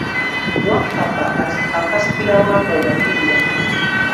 Wakkapa akasukira Wambwa omupiira.